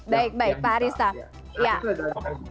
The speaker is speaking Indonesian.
baik baik pak arista